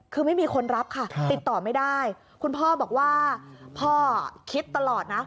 คือไม่มีคนรับค่ะติดต่อไม่ได้คุณพ่อบอกว่าพ่อคิดตลอดนะ